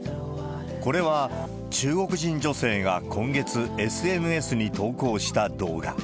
これは、中国人女性が今月、ＳＮＳに投稿した動画。